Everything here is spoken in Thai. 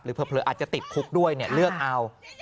เผลออาจจะติดคุกด้วยเลือกเอา